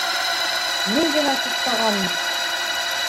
Мин генә туҡтағанмын.